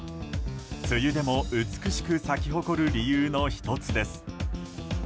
梅雨でも美しく咲き誇る理由の１つです。